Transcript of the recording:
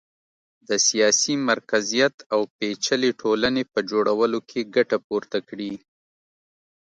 د سیاسي مرکزیت او پېچلې ټولنې په جوړولو کې ګټه پورته کړي